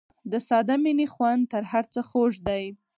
د ساده مینې خوند تر هر څه خوږ دی.